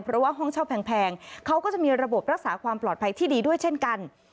เพราะว่าห้องเช่าแพงเขาก็จะมีระบบรักษาความปลอดภัยที่ดีด้วยเช่นกัน